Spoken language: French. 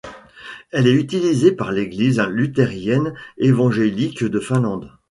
Elle est utilisée par l'Église luthérienne évangélique de Finlande.